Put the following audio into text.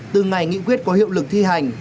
từ ngày nghị quyết có hiệu lực thi hành